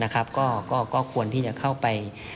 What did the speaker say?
ก็ควรที่จะเข้าไป